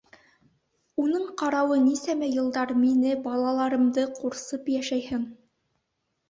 - Уның ҡарауы нисәмә йылдар мине, балаларымды ҡурсып йәшәйһең.